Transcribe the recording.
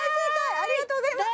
ありがとうございます。